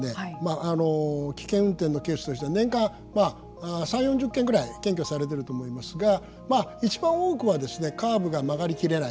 あの危険運転のケースとしては年間まあ３０４０件ぐらい検挙されてると思いますがまあ一番多くはですねカーブが曲がり切れないっていうですね